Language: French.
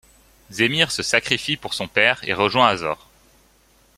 Zémire se sacrifie pour son père et rejoint Azor.